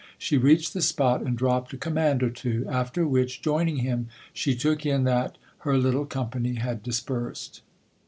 She reached the spot and dropped a command or two ; after which, joining him, she took in that her little company had dispersed.